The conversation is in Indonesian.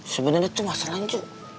sebenarnya tuh masalahnya cu